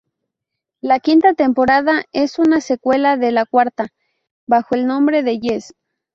La quinta temporada es una secuela de la cuarta, bajo el nombre de Yes!